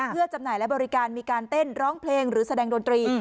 เพื่อจำหน่ายและบริการมีการเต้นร้องเพลงหรือแสดงดนตรี